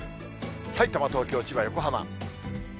さいたま、東京、千葉、横浜。